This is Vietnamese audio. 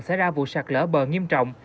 xảy ra vụ sạt lỡ bờ nghiêm trọng